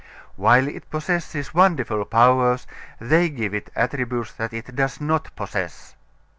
While it possesses wonderful powers, they give it attributes that it does not possess.